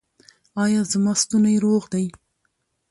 ایا زما ستونی روغ دی؟